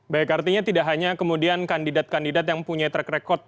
baik artinya tidak hanya kemudian kandidat kandidat yang punya track record